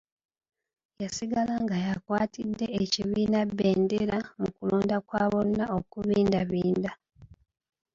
Yasigala nga yakwatidde ekibiina bbendera mu kulonda kwa bonna okubindabinda